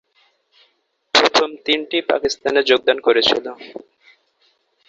প্রথম তিনটি পাকিস্তানে যোগদান করেছিল।